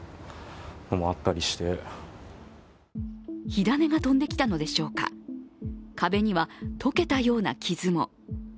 火種が飛んできたのでしょうか、壁には溶けたような傷も。